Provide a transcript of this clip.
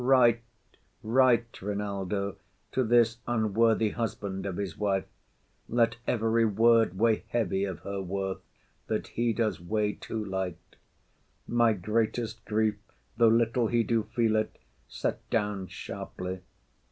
Write, write, Rynaldo, To this unworthy husband of his wife; Let every word weigh heavy of her worth, That he does weigh too light; my greatest grief, Though little he do feel it, set down sharply.